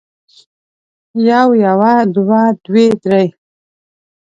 يو يوه دوه دوې درې